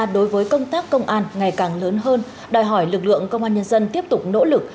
đối với công tác công an ngày càng lớn hơn đòi hỏi lực lượng công an nhân dân tiếp tục nỗ lực